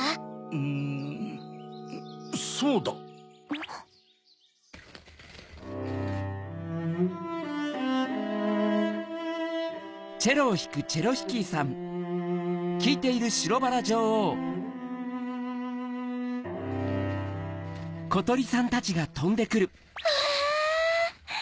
うんそうだ！うわ！